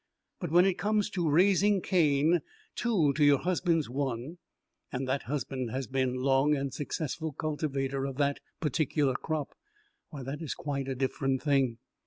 But when it comes to raising Cain two to your husband's one, and that husband has been a long and successful cultivator of that particular crop why, that is quite a different thing.